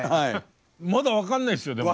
まだ分かんないですよでもね。